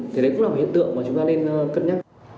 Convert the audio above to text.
thì đấy cũng là một hiện tượng mà chúng ta nên cân nhắc